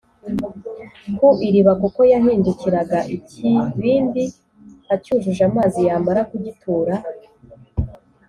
ku iriba kuko yahindukiraga ikibindi acyujuje amazi Yamara kugitura